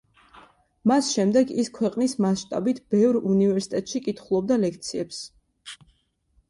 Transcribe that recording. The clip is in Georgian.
მას შემდეგ ის ქვეყნის მასშტაბით ბევრ უნივერსიტეტში კითხულობდა ლექციებს.